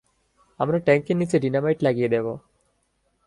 আমরা ট্যাঙ্কের নীচে ডিনামাইট লাগিয়ে দেবো।